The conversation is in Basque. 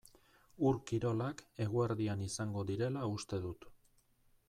Ur-kirolak eguerdian izango direla uste dut.